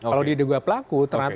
kalau diduga pelaku